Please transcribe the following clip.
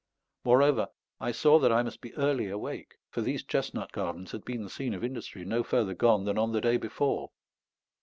Moreover, I saw that I must be early awake; for these chestnut gardens had been the scene of industry no further gone than on the day before.